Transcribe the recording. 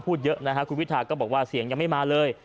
เยอะนะฮะคุณพิทาก็บอกว่าเสียงยังไม่มาเลย